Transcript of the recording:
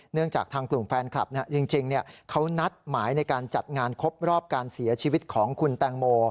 จากทางกลุ่มแฟนคลับจริงเขานัดหมายในการจัดงานครบรอบการเสียชีวิตของคุณแตงโม